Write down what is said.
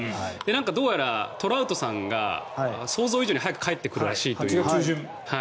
どうやらトラウトさんが想像以上に早く帰ってくるらしいという。